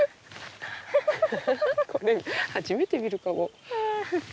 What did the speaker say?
これ初めて見るかも。